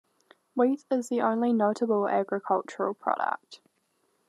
Wheat is the only notable agricultural product.